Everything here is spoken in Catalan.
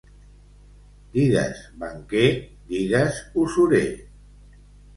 Digues banquer, digues usurer.